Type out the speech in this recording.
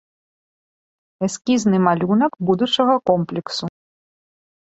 Эскізны малюнак будучага комплексу.